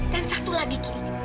dan satu lagi ki